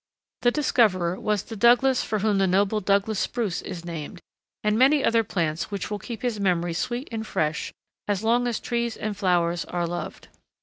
The discoverer was the Douglas for whom the noble Douglas Spruce is named, and many other plants which will keep his memory sweet and fresh as long as trees and flowers are loved.